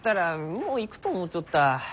もういくと思うちょった。